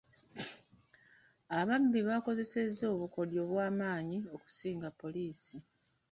Ababbi bakozesa obukodyo obw'amaanyi okusinga poliisi.